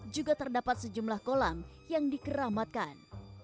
juga terdapat sejumlah kolam yang dikeramatkan